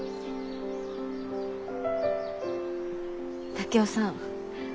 竹雄さん